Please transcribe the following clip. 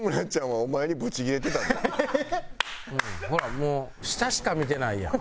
ほらもう下しか見てないやん。